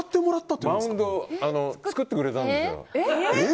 作ってくれたんですよ。